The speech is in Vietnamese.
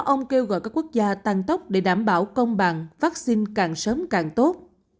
ông kêu gọi các quốc gia tăng tốc để đảm bảo công bằng vắc xin càng sớm càng tốt